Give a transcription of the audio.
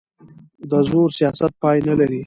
د زور سیاست پای نه لري